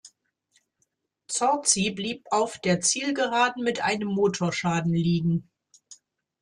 Zorzi blieb auf der Zielgeraden mit einem Motorschaden liegen.